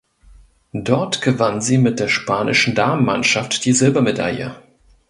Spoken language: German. Dort gewann sie mit der Spanischen Damenmannschaft die Silbermedaille.